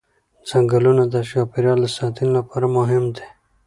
ځنګلونه د چاپېریال د ساتنې لپاره مهم دي